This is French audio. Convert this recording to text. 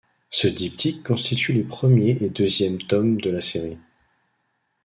Ce diptyque constitue les premier et deuxième tomes de la série.